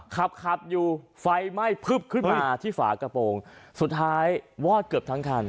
ขับขับอยู่ไฟไหม้พึบขึ้นมาที่ฝากระโปรงสุดท้ายวอดเกือบทั้งคัน